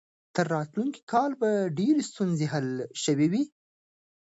تر راتلونکي کاله به ډېرې ستونزې حل شوې وي.